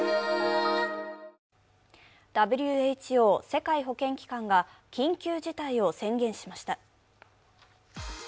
ＷＨＯ＝世界保健機関が緊急事態を宣言しました。